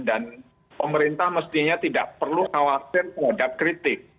dan pemerintah mestinya tidak perlu khawatir menghadap kritik